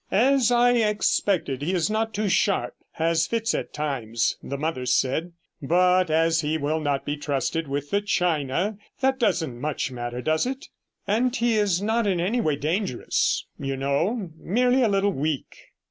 As I expected, he is not too sharp, has fits at times, the mother said; but as he will not be trusted with the china, that doesn't much matter, does it? And he is not in any way dangerous, you know, merely a little weak.'